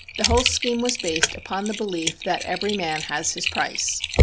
The whole scheme was based upon the belief that "every man has his price."